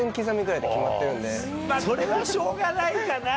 それはしょうがないかな。